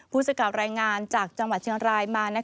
ผู้สื่อข่าวรายงานจากจังหวัดเชียงรายมา